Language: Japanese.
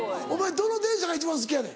どの電車が一番好きやねん？